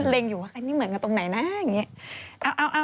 เลยคิดว่าเขานี่เหมือนกันตรงไหนนะ